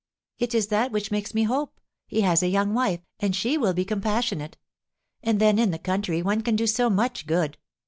"It is that which makes me hope. He has a young wife, and she will be compassionate. And then in the country one can do so much good.